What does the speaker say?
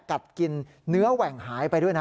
กัดกินเนื้อแหว่งหายไปด้วยนะ